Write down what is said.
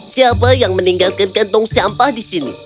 siapa yang meninggalkan kantong sampah di sini